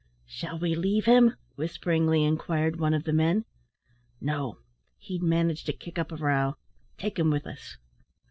"Shall we leave him!" whisperingly inquired one of the men. "No, he'd manage to kick up a row; take him with us."